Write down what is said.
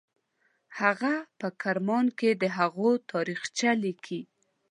هغه په کرمان کې د هغوی تاریخچه لیکي.